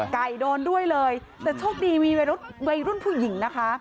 โดนด้วยเลยแต่โชคดีมีวัยรุ่นวัยรุ่นผู้หญิงนะคะ